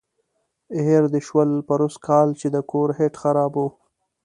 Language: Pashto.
هېر دې شول پروسږ کال چې د کور هیټ خراب و.